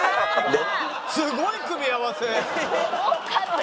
すごい組み合わせ！